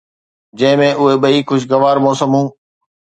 جنهن ۾ اهي ٻئي خوشگوار موسمون